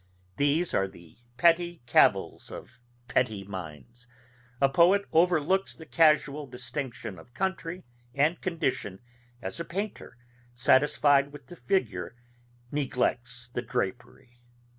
These are the petty cavils of petty minds; a poet overlooks the casual distinction of country and condition, as a painter, satisfied with the figure, neglects the drapery.